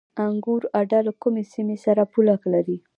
انګور اډه له کومې سیمې سره پوله لري؟